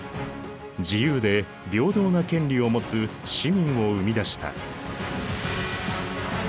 自由で平等な権利を持つ市民を生み出した。